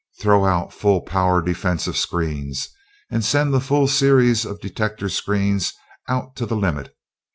Throw out full power defensive screens, and send the full series of detector screens out to the limit!